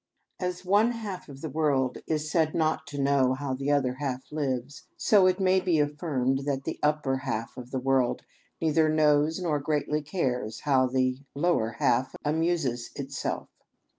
As one half of the world is said not to know how the other half lives, so it may be afBrmed that the upper half of the world neither knows nor greatly cares how the lower half amuses itself.